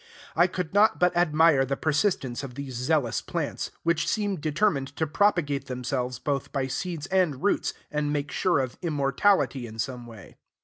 I could not but admire the persistence of these zealous plants, which seemed determined to propagate themselves both by seeds and roots, and make sure of immortality in some way.